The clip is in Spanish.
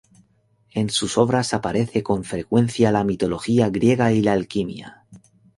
En sus obras aparece con frecuencia la mitología griega y la alquimia.